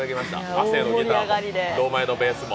亜生のギターも堂前のベースも。